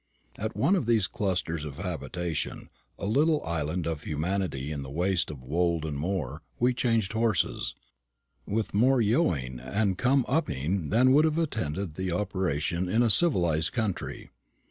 At one of these clusters of habitation, a little island of humanity in the waste of wold and moor, we changed horses, with more yo oh ing and come up ing than would have attended the operation in a civilised country.